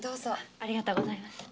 ありがとうございます。